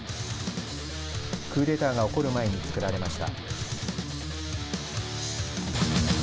クーデターが起こる前に作られました。